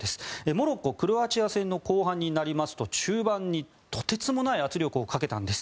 モロッコはクロアチア戦の後半になりますと中盤にとてつもない圧力をかけたんです。